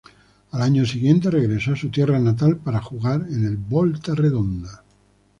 Al año siguiente regresó a su tierra natal para jugar en el Volta Redonda.